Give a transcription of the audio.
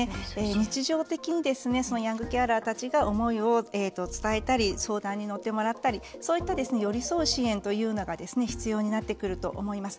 日常的にヤングケアラーたちが思いを伝えたり相談に乗ってもらったりそういった寄り添う支援というのが必要になってくると思います。